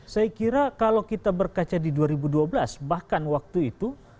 saya kira kalau kita berkaca di dua ribu dua belas bahkan waktu itu